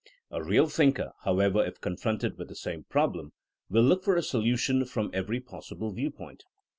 A real thinker, however, if confronted with the same problem, will look for a solution from every possible viewpoint.